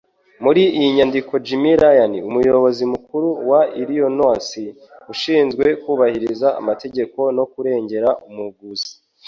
Muri iyi nyandiko, Jim Ryan ni umuyobozi mukuru wa Illinois ushinzwe kubahiriza amategeko no kurengera umuguzi